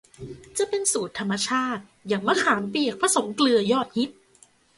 จะเป็นสูตรธรรมชาติอย่างมะขามเปียกผสมเกลือยอดฮิต